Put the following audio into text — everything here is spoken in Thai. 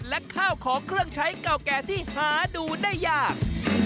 และข้าวของเครื่องใช้เก่าแก่ที่หาดูได้ยาก